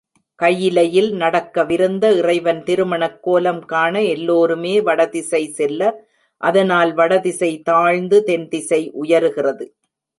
கயிலையில் நடக்கவிருந்த இறைவன் திருமணக்கோலம் காண எல்லோருமே வடதிசை செல்ல, அதனால் வடதிசை தாழ்ந்து தென்திசை உயருகிறது.